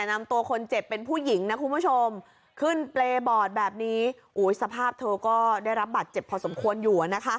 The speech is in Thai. นำตัวคนเจ็บเป็นผู้หญิงนะคุณผู้ชมขึ้นเปรย์บอร์ดแบบนี้สภาพเธอก็ได้รับบัตรเจ็บพอสมควรอยู่